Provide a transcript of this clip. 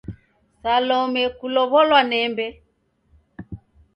Salome kulow'olwa nembe?